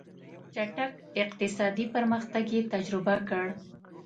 چټک اقتصادي پرمختګ یې تجربه کړ.